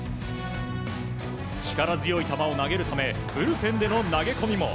力強い球を投げるためブルペンでの投げ込みも。